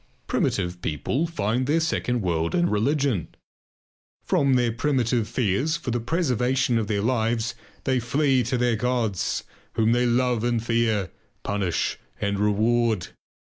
Primitive people find their second world in religion. From their primitive fears for the preservation of their lives they flee to their gods, whom they love and fear, punish and reward.